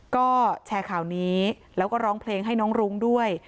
ก็แชร์ข่าวนี้แล้วก็ร้องเพลงให้น้องรุ้งด้วย